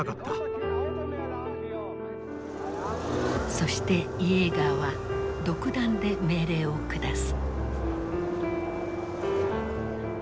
そしてイエーガーは独断で命令を下す。